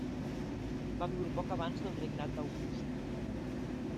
Va viure poc abans del regnat d'August.